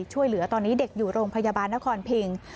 ช่วยเหลือตอนนี้เด็กอยู่โรงพยาบาลนครพิง